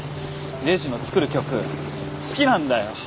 レイジの作る曲好きなんだよ。